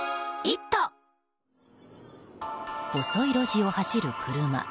細い路地を走る車。